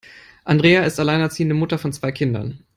Andrea ist alleinerziehende Mutter von zwei Kindern.